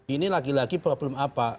ini lagi lagi problem apa